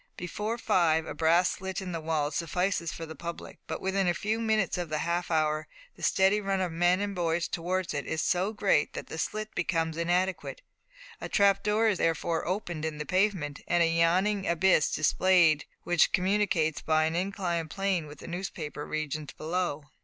Before five a brass slit in the wall suffices for the public, but within a few minutes of the half hour the steady run of men and boys towards it is so great that the slit becomes inadequate. A trap door is therefore opened in the pavement, and a yawning abyss displayed which communicates by an inclined plane with the newspaper regions below.